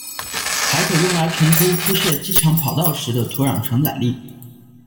还可用来评估铺设机场跑道时的土壤承载力。